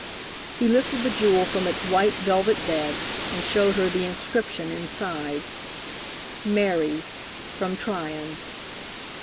He lifted the jewel from its white velvet bed and showed her the inscription inside: "Mary, from Tryon."